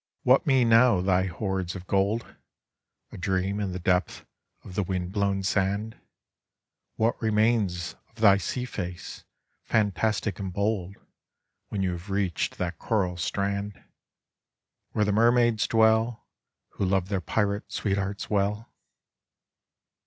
Tttiat mean now thy horde of gold A dreaa in the depth of the wind blown Band? TTnat regains of thy sea face fantastic and bold T?hen you have reached that coral strand, TOiere the nsraaids dwell, ?ho love their pirate sweethearts well?